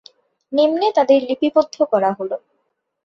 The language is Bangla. নিম্নে তাদের লিপিবদ্ধ করা হল।